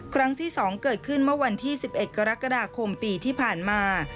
ครั้งที่๒เกิดขึ้นเมื่อวันที่๑๑กรกฎาคมปีที่ผ่านมา